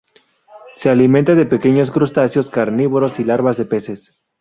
Se alimenta de pequeños crustáceos carnívoros y larvas de peces.